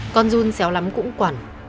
con run xéo lắm cũng quản